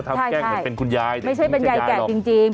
ทำแกล้งเห็นเป็นคุณยายไม่ใช่ยายหรอกไม่ใช่เป็นยายแก่จริง